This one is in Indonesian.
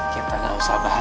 kita gak usah berbicara